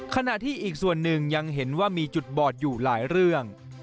ขณะที่อีกส่วนหนึ่งยังเห็นว่ามีจุดบอดอยู่หลายเรื่อง